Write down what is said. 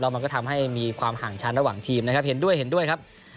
แล้วมันก็ทำให้มีความห่างชั้นระหว่างทีมนะครับเห็นด้วยครับ